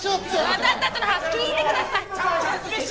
私たちの話を聞いてください！